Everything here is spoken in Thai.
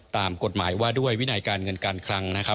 ตามกฎหมายว่าด้วยวินัยการเงินการคลังนะครับ